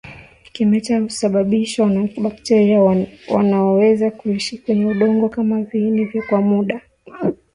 Kimeta husababishwa na bakteria wanaoweza kuishi kwenye udongo kama viini kwa muda